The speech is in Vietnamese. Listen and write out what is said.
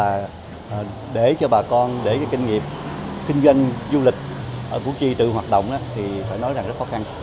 vấn đề thứ ba là để cho bà con để cho kinh nghiệp kinh doanh du lịch ở củ chi tự hoạt động thì phải nói là rất khó khăn